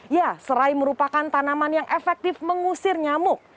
ya serai merupakan tanaman yang efektif mengusir nyamuk